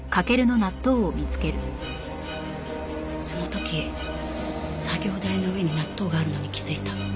その時作業台の上に納豆があるのに気づいた。